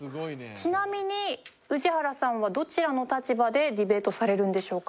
ちなみに氏原さんはどちらの立場でディベートされるんでしょうか？